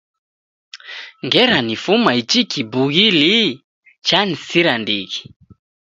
Ngera nifuma ichi kibughi lii chanisira ndighi